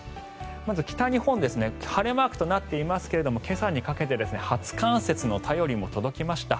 まず北日本晴れマークとなっていますが今朝にかけて初冠雪の便りも届きました。